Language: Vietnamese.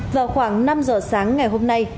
vào khoảng năm giờ sáng ngày hôm nay